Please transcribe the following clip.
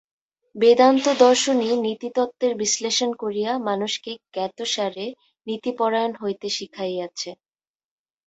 বেদান্ত-দর্শনই নীতিতত্ত্বের বিশ্লেষণ করিয়া মানুষকে জ্ঞাতসারে নীতিপরায়ণ হইতে শিখাইয়াছে।